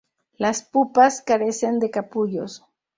Las pupas carecen de capullos.